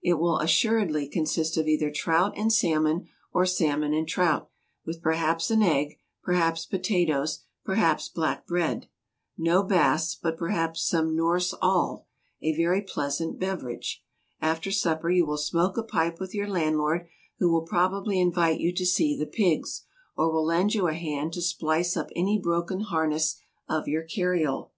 It will assuredly consist of either trout and salmon, or salmon and trout, with perhaps an egg, perhaps potatoes, perhaps black bread. No Bass, but perhaps some Norsh Ol, a very pleas ant beverage. After supper you will smoke a pipe with your landlord, who will probably invite you to see the pigs, or will lend you a hand to splice up any broken harness of your carriole.